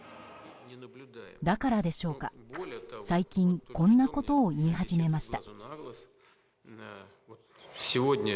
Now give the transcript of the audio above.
だからでしょうか、最近こんなことを言い始めました。